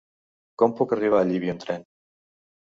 Com puc arribar a Llívia amb tren?